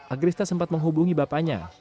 agrista sempat menghubungi bapaknya